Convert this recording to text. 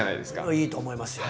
いいと思いますよ。